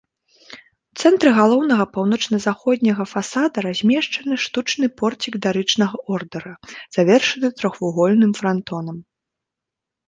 У цэнтры галоўнага паўночна-заходняга фасада размешчаны штучны порцік дарычнага ордэра, завершаны трохвугольным франтонам.